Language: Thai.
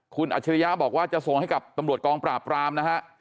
คุณอัจฉริยะบอกว่าจะส่งให้กับตำรวจกองปราบรามนะฮะ